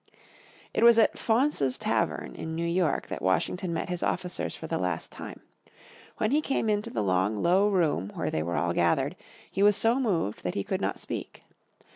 It was at Faunces's Tavern in New York that Washington met his officers for the last time. When he came into the long, low room where they were all gathered, he was so moved that he could not speak.